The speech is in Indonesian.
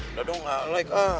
udah dong gak like